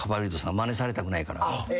まねされたくないから。